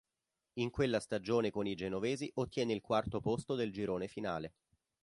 In quella stagione con i genovesi ottiene il quarto posto del girone finale.